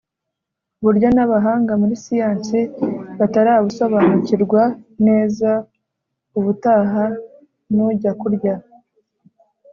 Buryo n abahanga muri siyansi batarabusobanukirwa neza ubutaha nujya kurya